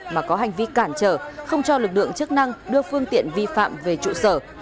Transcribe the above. mà có hành vi cản trở không cho lực lượng chức năng đưa phương tiện vi phạm về trụ sở